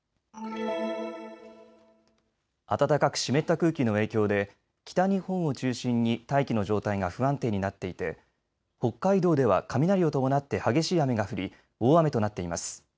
暖かく湿った空気の影響で北日本を中心に大気の状態が不安定になっていて北海道では雷を伴って激しい雨が降り大雨となっています。